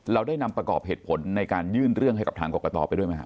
เราได้นำประกอบเหตุผลในการยื่นเรื่องให้กับทางกรกตไปด้วยไหมครับ